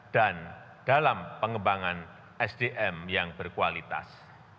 dan dalam pengembangan sdm yang berkualitas